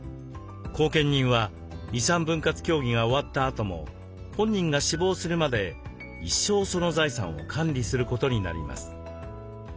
後見人は遺産分割協議が終わったあとも本人が死亡するまで一生その財産を管理することになります。